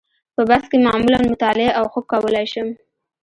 په بس کې معمولاً مطالعه او خوب کولای شم.